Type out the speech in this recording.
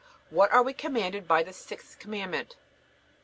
What are we commanded by the sixth Commandment?